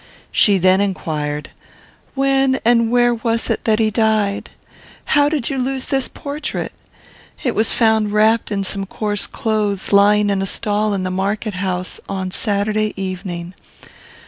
She then inquired, "When and where was it that he died? How did you lose this portrait? It was found wrapped in some coarse clothes, lying in a stall in the market house, on Saturday evening.